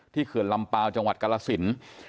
เขื่อนลำเปล่าจังหวัดกรสิน